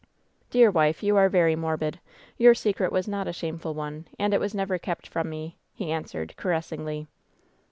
"Dear wife, you are very morbid. Your secret was not a shameful one, and it was never kept from me," he answered, caressingly.